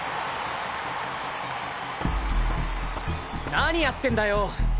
何やってんだよ！？